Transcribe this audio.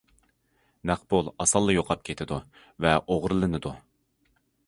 نەق پۇل ئاسانلا يوقاپ كېتىدۇ ۋە ئوغرىلىنىدۇ.